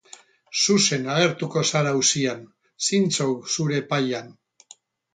Zuzen agertuko zara auzian, zintzo zure epaian.